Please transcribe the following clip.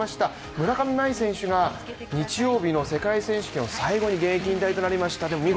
村上茉愛選手が日曜日の世界選手権を最後に現役引退となりました。